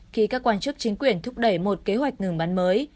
khi các quan chức chính quyền thúc đẩy một kế hoạch ngừng bắn mới